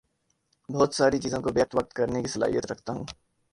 بہت ساری چیزوں کو بیک وقت کرنے کی صلاحیت رکھتا ہوں